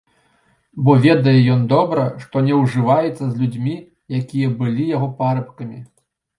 Бо ведае ён добра, што не ўжывецца з людзьмі, якія былі яго парабкамі.